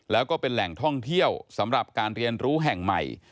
แล้วก็เป็นแหล่งท่องเที่ยวสำหรับการเรียนรู้แห่งใหม่